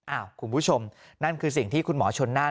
คุณผู้ชมนั่นคือสิ่งที่คุณหมอชนน่าน